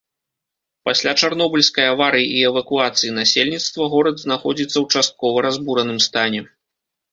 Пасля чарнобыльскай аварыі і эвакуацыі насельніцтва горад знаходзіцца ў часткова разбураным стане.